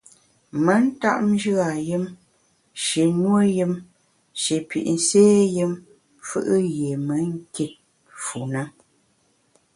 Me ntap njù a yùm, shi nuo yùm, shi pit nsé yùm fù’ yié me nkit fu ne.